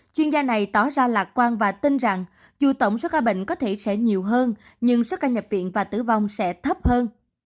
chuyên gia này tỏ ra lạc quan và tin rằng dù tổng số ca bệnh có thể sẽ nhiều hơn nhưng số ca nhập viện và tử vong sẽ thấp hơn